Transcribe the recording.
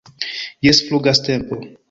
Jes, flugas tempo